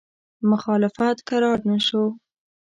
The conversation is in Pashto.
مخالفت کرار نه شو.